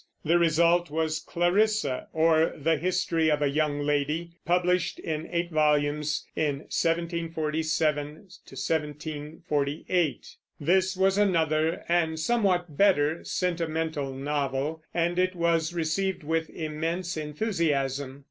The result was Clarissa, or The History of a Young Lady, published in eight volumes in 1747 1748. This was another, and somewhat better, sentimental novel; and it was received with immense enthusiasm.